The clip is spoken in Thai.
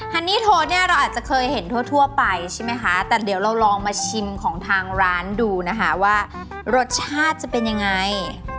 ันนี่โทเนี่ยเราอาจจะเคยเห็นทั่วไปใช่ไหมคะแต่เดี๋ยวเราลองมาชิมของทางร้านดูนะคะว่ารสชาติจะเป็นยังไง